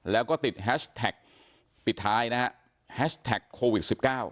แล้วก็ติดแฮชแท็กปิดท้ายนะฮะแฮชแท็กโควิด๑๙